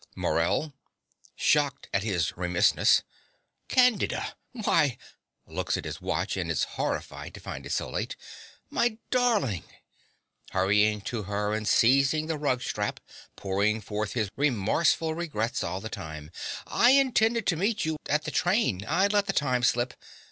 MORELL (shocked at his remissness). Candida! Why (looks at his watch, and is horrified to find it so late.) My darling! (Hurrying to her and seizing the rug strap, pouring forth his remorseful regrets all the time.) I intended to meet you at the train. I let the time slip.